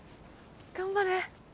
頑張れ。